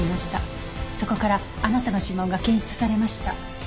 そこからあなたの指紋が検出されました。